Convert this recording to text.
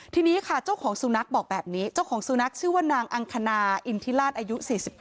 ทีนี้ค่ะเจ้าของสุนัขบอกแบบนี้เจ้าของสุนัขชื่อว่านางอังคณาอินทิราชอายุ๔๘